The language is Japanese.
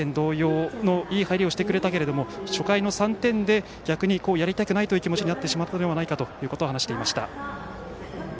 １回戦同様のいい入りをしてくれたけども初回の３点で逆に点をやりたくないという気持ちになってしまったのではないかという話をしてくれました。